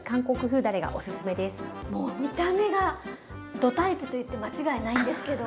もう見た目がどタイプと言って間違いないんですけど。